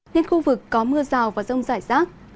nên khu vực có mưa rào và rông rải rác